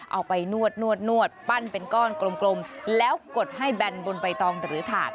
เอาไปนวดปั้นเป็นก้อนกลมแล้วกดให้แบนบนใบตองหรือถาด